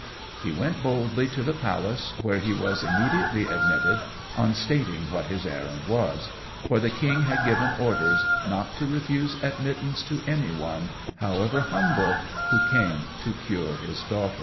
He went boldly to the palace, where he was immediately admitted, on stating what his errand was; for the king had given orders not to refuse admittance to any one, however humble, who came to cure his daughter.